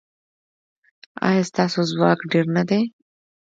ایا ستاسو ځواک ډیر نه دی؟